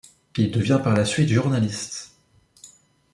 Il devient par la suite journaliste.